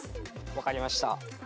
分かりました。